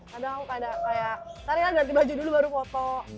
kadang kadang kayak tadi kan ganti baju dulu baru foto